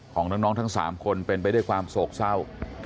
ของน้องทั้ง๓คนเป็นไปด้วยความโศกเศร้า